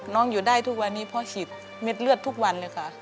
อยู่ได้ทุกวันนี้เพราะฉีดเม็ดเลือดทุกวันเลยค่ะ